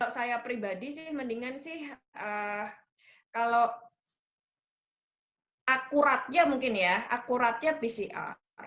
saya pribadi sih mendingan sih kalau akuratnya mungkin ya akuratnya pcr